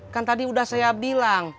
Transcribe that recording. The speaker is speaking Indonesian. kan tadi udah saya bilang